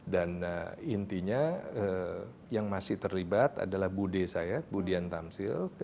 dan intinya yang masih terlibat adalah budi saya budian tamsil